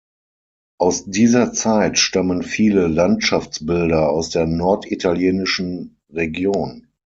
Aus dieser Zeit stammen viele Landschaftsbilder aus der norditalienischen Region.